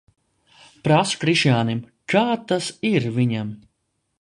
Prasu Krišjānim, kā tas ir viņam.